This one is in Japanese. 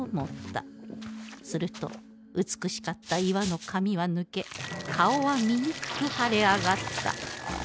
すると美しかった岩の髪は抜け顔は醜く腫れ上がった